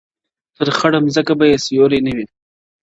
پر خړه مځکه به یې سیوري نه وي!.